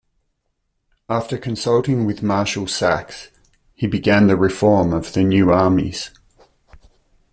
After consulting with Marshal Saxe, he began the reform of the new armies.